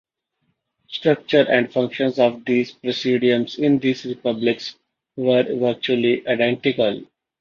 Structure and functions of the presidiums in these republics were virtually identical.